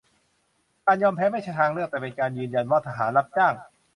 การยอมแพ้ไม่ใช่ทางเลือก แต่เป็นการยืนยันว่าทหารรับจ้าง